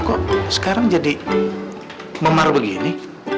kok sekarang jadi memar begini